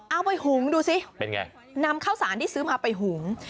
หุงดูสิเป็นไงนำข้าวสารที่ซื้อมาไปหุง